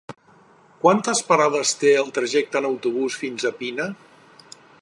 Quantes parades té el trajecte en autobús fins a Pina?